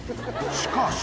しかし。